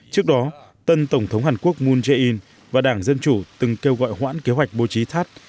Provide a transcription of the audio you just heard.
trước đó tân tổng thống hàn quốc moon jae in và đảng dân chủ từng kêu gọi hoãn kế hoạch bố trí thắt